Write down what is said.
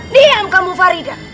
diam kamu farida